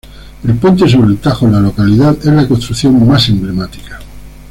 El puente sobre el Tajo en la localidad es la construcción más emblemática.